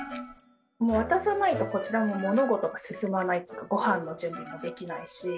渡さないとこちらも物事が進まないごはんの準備もできないし。